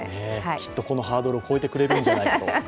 きっとこのハードルを越えてくれるんじゃないかと。